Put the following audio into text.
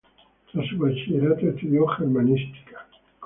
Tras su bachillerato estudió germanística.